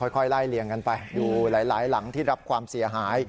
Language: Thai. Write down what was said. ค่อยไล่เลี่ยงกันไปดูหลายหลังที่รับความเสียหาย